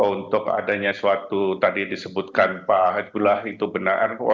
untuk adanya suatu tadi disebutkan pak hasbullah itu benar